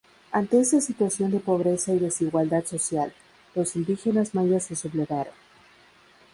Ante esa situación de pobreza y desigualdad social, los indígenas mayas se sublevaron.